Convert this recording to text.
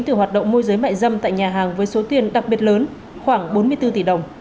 từ hoạt động môi giới mại dâm tại nhà hàng với số tiền đặc biệt lớn khoảng bốn mươi bốn tỷ đồng